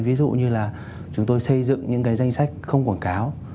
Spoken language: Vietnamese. ví dụ như là chúng tôi xây dựng những cái danh sách không quảng cáo